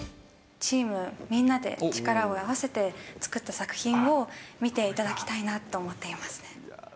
チームみんなで力を合わせて作った作品を、見ていただきたいなと思っていますね。